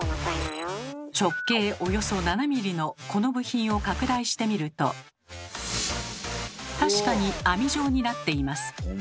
直径およそ７ｍｍのこの部品を拡大してみると確かに網状になっています。